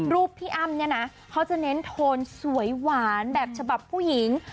พี่อ้ำเนี่ยนะเขาจะเน้นโทนสวยหวานแบบฉบับผู้หญิง